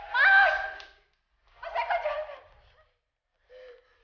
mas eko jangan